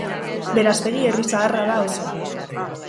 Berastegi herri zaharra da oso.